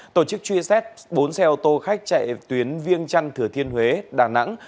tổ chức truy xét bốn xe ô tô khách chạy tuyến viêng trăn thừa thiên huế đà nẵng